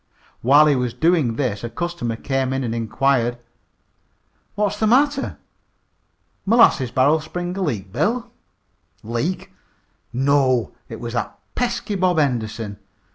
While he was doing this a customer came in and inquired: "What's the matter? Molasses barrel spring a leak, Bill?" "Leak? No, it was that pesky Bob Henderson.